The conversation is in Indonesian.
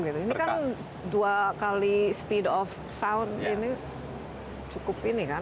ini kan dua kali speed of sound ini cukup ini kan